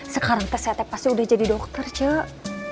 sekarang teh saya teh pasti udah jadi dokter cek